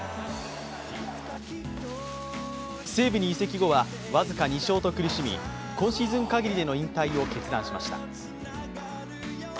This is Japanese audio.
西武に移籍後は僅か２勝と苦しみ今シーズン限りでの引退を決断しました。